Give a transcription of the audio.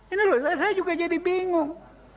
ini loh saya juga jadi bingung